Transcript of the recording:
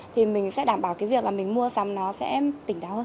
thì mình sẽ đảm bảo cái việc là mình mua sắm nó sẽ tỉnh táo hơn